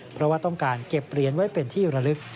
เพราะว่าต้องการเก็บเหรียญไว้เป็นที่ระลึก